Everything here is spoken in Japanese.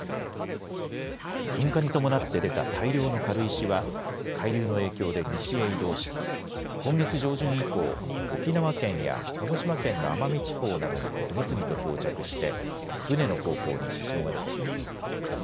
噴火に伴って出た大量の軽石は海流の影響で西へ移動し今月上旬以降沖縄県や鹿児島県の奄美地方などに次々と漂着して船の航行に支障が出ています。